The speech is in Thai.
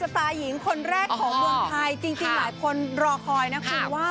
ไตล์หญิงคนแรกของเมืองไทยจริงหลายคนรอคอยนะคุณว่า